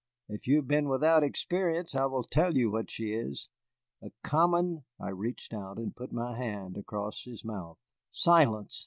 If you have been without experience, I will tell you what she is. A common " I reached out and put my hand across his mouth. "Silence!"